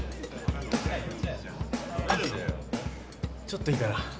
ちょっといいかな？